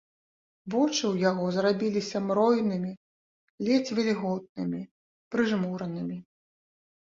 Вочы ў яго зрабіліся мройнымі, ледзь вільготнымі, прыжмуранымі.